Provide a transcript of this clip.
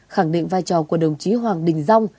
khẳng định vai trò của đồng chí hoàng đình dông